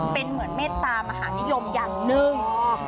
เป็นเหมือนเมตตามหานิยมอย่างหนึ่ง